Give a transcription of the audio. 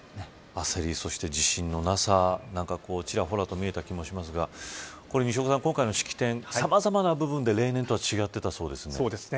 焦り、そして自信のなさちらほらと見えた気もしますが西岡さん、今回の式典さまざまな部分で例年とは違ってたみたいですね。